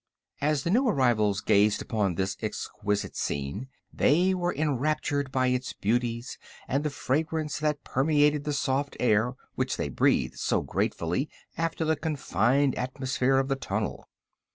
As the new arrivals gazed upon this exquisite scene they were enraptured by its beauties and the fragrance that permeated the soft air, which they breathed so gratefully after the confined atmosphere of the tunnel.